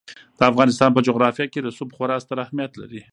د افغانستان په جغرافیه کې رسوب خورا ستر اهمیت لري.